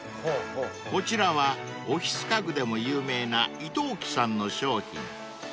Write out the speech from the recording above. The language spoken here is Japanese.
［こちらはオフィス家具でも有名なイトーキさんの商品］